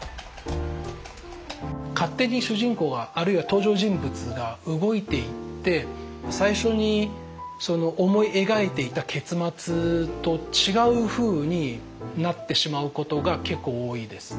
勝手に主人公があるいは登場人物が動いていって最初に思い描いていた結末と違うふうになってしまうことが結構多いです。